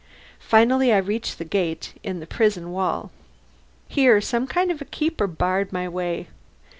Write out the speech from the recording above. Finally I reached the gate in the prison wall. Here some kind of a keeper barred my way.